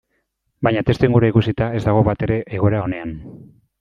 Baina testuingurua ikusita ez dago batere egoera onean.